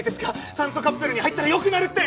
酸素カプセルに入ったら良くなるって！